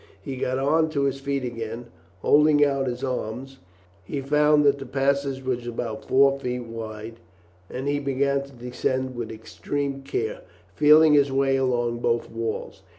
He got on to his feet again. Holding out his arms he found that the passage was about four feet wide, and he began to descend with extreme care, feeling his way along both walls.